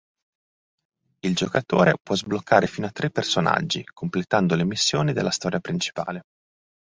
Il giocatore può sbloccare fino a tre personaggi completando le missioni della storia principale.